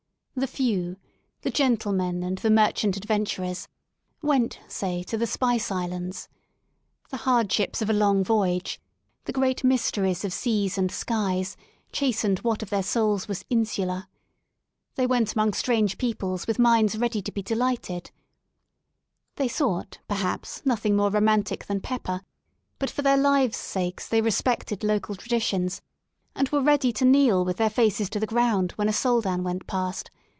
The few — the gentlemen and the merchant adventurers — went, say, to the Spice Islands. The hardships of a long voyage, the great mysteries of seas and skies, chastened what of their souls was insular. They went among strange peoples with minds ready to be de lighted. They sought, perhaps, nothing more romantic than pepper, but for their lives' sakes they respected local traditions, and were ready to kneel with their faces to the ground when a Soldan went past.